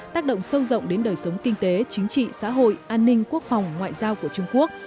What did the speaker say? tác động sâu rộng đến đời sống kinh tế chính trị xã hội an ninh quốc phòng ngoại giao của trung quốc